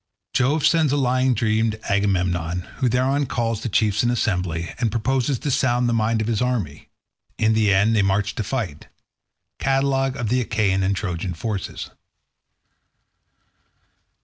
Jove sends a lying dream to Agamemnon, who thereon calls the chiefs in assembly, and proposes to sound the mind of his army—In the end they march to fight—Catalogue of the Achaean and Trojan forces.